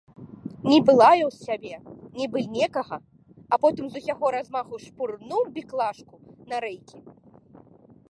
Нібы лаяў сябе, нібы некага, а потым з усяго размаху шпурнуў біклажку на рэйкі.